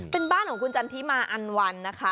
เป็นบ้านของคุณจันทิมาอันวันนะคะ